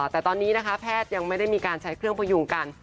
แต่ตอนนี้นะคะแพทย์ยังไม่ได้มีการใช้เครื่องพยุงกัน